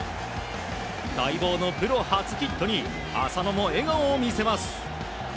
待望のプロ初ヒットに浅野も笑顔を見せます。